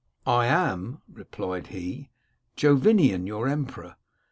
* I am,' replied he, * Jovinian, your emperor.